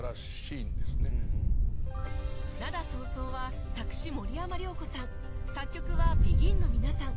『涙そうそう』は作詞森山良子さん作曲は ＢＥＧＩＮ の皆さん